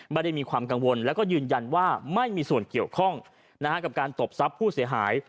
ไม่ได้มีความกังวลแล้วก็ยืนยันว่าไม่มีส่วนเกี่ยวข้องกับการตบทรัพย์ผู้เสียหาย